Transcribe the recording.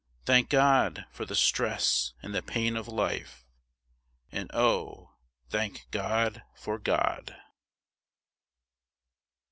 Thank God for the stress and the pain of life, And Oh, thank God for God!